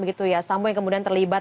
kita sebut komplotan gitu ya